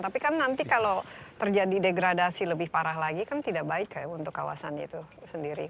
tapi kan nanti kalau terjadi degradasi lebih parah lagi kan tidak baik ya untuk kawasan itu sendiri